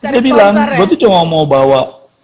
dia bilang gue tuh cuma mau bawa